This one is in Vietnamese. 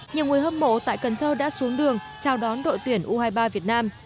nhiều người hâm mộ tại cần thơ đã xuống đường chào đón đội tuyển u hai mươi ba việt nam